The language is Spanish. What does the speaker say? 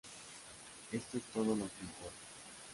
Esto es todo lo que importa.